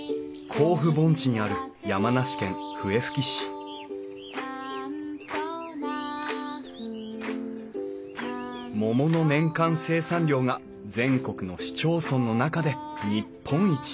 甲府盆地にある山梨県笛吹市桃の年間生産量が全国の市町村の中で日本一。